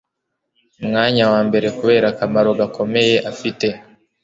mwanya wambere kubera akamaro gakomeye afite